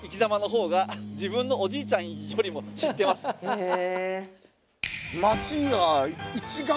へえ。